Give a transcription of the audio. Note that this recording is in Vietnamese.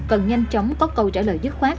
cần nhanh chóng có câu trả lời dứt khoát